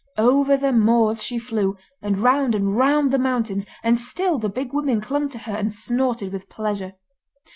Over the moors she flew, and round and round the mountains, and still the Big Women clung to her and snorted with pleasure.